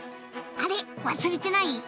あれ忘れてない？